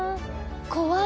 怖い！